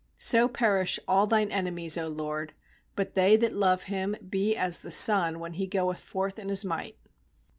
aSo perish all Thine enemies, 0 LORD; But they that love Him be as the sun when he goeth forth in his might.